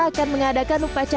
akan mengadakan upacara perayaan